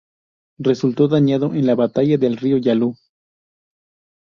Resultó dañado en la Batalla del río Yalu.